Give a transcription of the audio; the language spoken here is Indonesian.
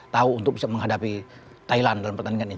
tahu untuk bisa menghadapi thailand dalam pertandingan ini